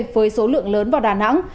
với số lượng lớn vào đà nẵng